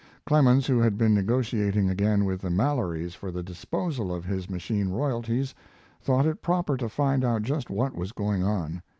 Clemens, who had been negotiating again with the Mallorys for the disposal of his machine royalties, thought it proper to find out just what was going on.